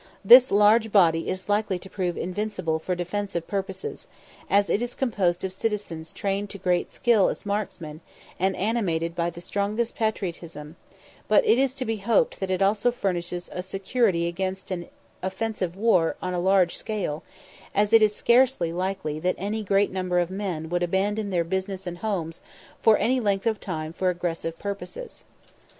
This large body is likely to prove invincible for defensive purposes, as it is composed of citizens trained to great skill as marksmen, and animated by the strongest patriotism; but it is to be hoped that it also furnishes a security against an offensive war on a large scale, as it is scarcely likely that any great number of men would abandon their business and homes for any length of time for aggressive purposes.